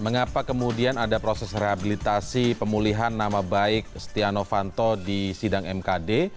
mengapa kemudian ada proses rehabilitasi pemulihan nama baik setia novanto di sidang mkd